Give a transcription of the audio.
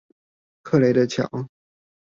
克雷的橋